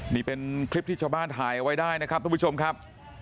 นี่เป็นคลิปที่ชาวบ้านถ่ายเอาไว้ได้นะครับทุกผู้ชมครับ